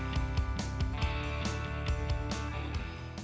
bersona istana merdeka